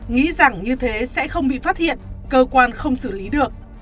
nghĩ rằng như thế sẽ không bị phát hiện cơ quan không xử lý được